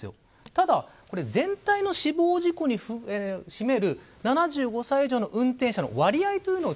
ただこれ、全体の死亡事故に占める７５歳以上の運転者の割合というのを